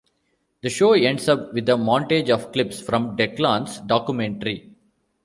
The show ends with a montage of clips from Declan's documentary.